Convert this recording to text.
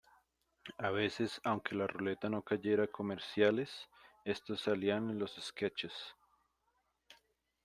A veces aunque la ruleta no cayera comerciales, estos salían en los sketches.